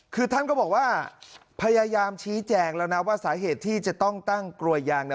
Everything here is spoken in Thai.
คือท่านก็บอกว่าพยายามชี้แจงแล้วนะว่าสาเหตุที่จะต้องตั้งกลวยยางเนี่ย